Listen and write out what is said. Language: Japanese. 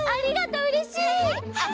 うれしい！